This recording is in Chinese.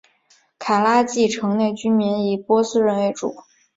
卡拉季城内居民以波斯人为主。